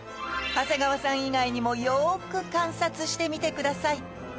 長谷川さん以外にもよく観察してみてください